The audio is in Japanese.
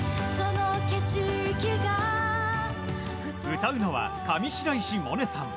歌うのは上白石萌音さん。